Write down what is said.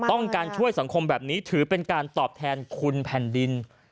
ต้องการช่วยสังคมแบบนี้ถือเป็นการตอบแทนคุณแผ่นดิน